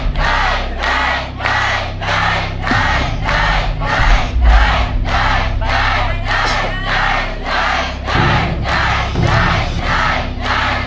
ไม่ไม่ไม่